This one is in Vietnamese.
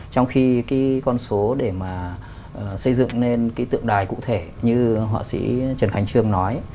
trong khi cái con số để mà xây dựng lên cái tượng đài cụ thể như họa sĩ trần khánh trương nói